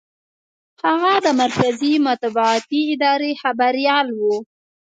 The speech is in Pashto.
هغه د مرکزي مطبوعاتي ادارې خبریال و.